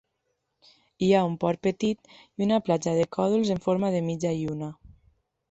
Hi ha un port petit i una platja de còdols en forma de mitja lluna.